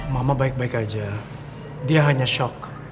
mama baik baik aja dia hanya shock